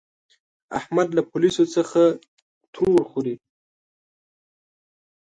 احمد له پوليسو څخه تور خوري.